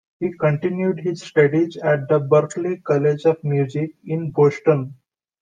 He continued his studies at the Berklee College of Music in Boston.